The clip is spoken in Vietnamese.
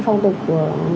phong tục của